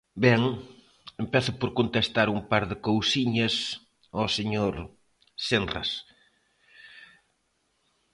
Ben, empezo por contestar un par de cousiñas ao señor Senras.